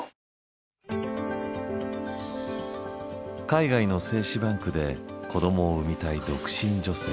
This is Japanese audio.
海外の精子バンクで子どもを産みたい独身女性。